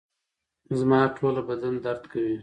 زما ټوله بدن درد کوي